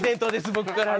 僕からの。